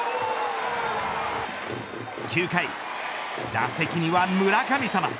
９回打席には村神様。